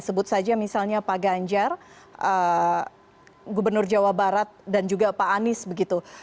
sebut saja misalnya pak ganjar gubernur jawa barat dan juga pak anies begitu